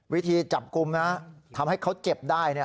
วิธีจับกลุ่มนะทำให้เขาเจ็บได้